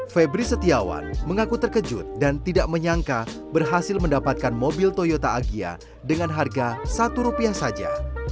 febri setiawan mengaku terkejut dan tidak menyangka berhasil mendapatkan mobil toyota agia dengan harga satu rupiah saja